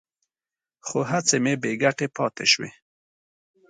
خو هڅې مې بې ګټې پاتې شوې.